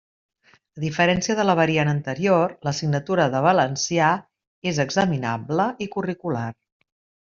A diferència de la variant anterior, l'assignatura de valencià és examinable i curricular.